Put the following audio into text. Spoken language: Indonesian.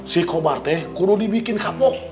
si kobarte kudu dibikin kapok